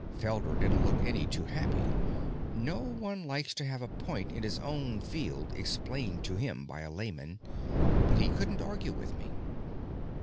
Felder didn't look any too happy; no one likes to have a point in his own field explained to him by a layman. But he couldn't argue with me.